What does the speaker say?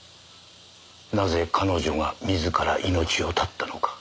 なぜ彼女が自ら命を絶ったのか。